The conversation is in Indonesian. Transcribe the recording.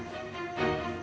aduh ya allah